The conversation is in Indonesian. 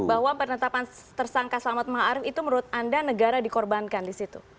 bahwa penetapan tersangka selamat ma'arif itu menurut anda negara dikorbankan disitu